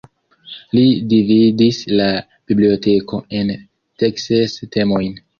Li dividis la "Biblioteko" en dekses temojn.